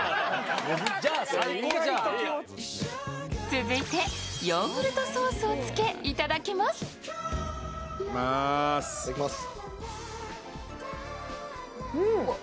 続いてヨーグルトソースをつけいただきます。